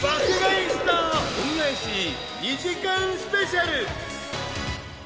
［２時間スペシャル］